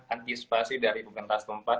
antispasi dari bukan tas tempat